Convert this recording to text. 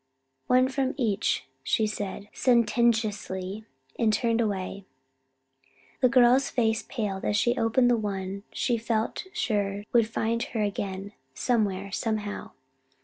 "One from each," said she sententiously, and turned away. The girl's face paled as she opened the one she had felt sure would find her again, somewhere, somehow.